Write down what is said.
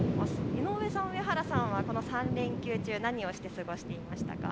井上さん、上原さんは３連休、何をして過ごしていましたか。